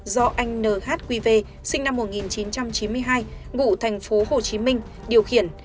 do anh nhqv sinh năm một nghìn chín trăm chín mươi hai ngụ thành phố hồ chí minh điều khiển